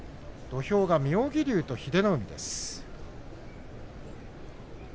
土俵が妙義龍と英乃海です。